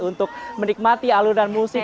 untuk menikmati alunan musik